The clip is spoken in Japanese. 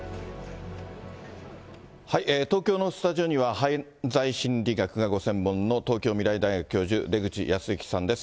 東京のスタジオには、犯罪心理学がご専門の東京未来大学教授、出口保行さんです。